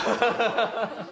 ハハハハ。